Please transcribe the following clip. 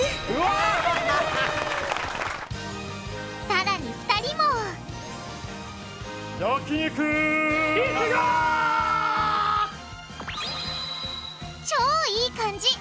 さらに２人も超いい感じ！